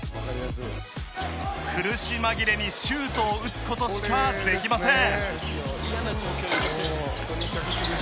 苦し紛れにシュートを打つことしかできません。